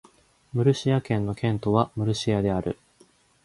ムルシア県の県都はムルシアである